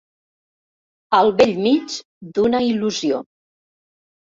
Al bell mig d'una il·lusió.